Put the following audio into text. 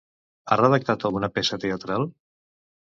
Ha redactat alguna peça teatral?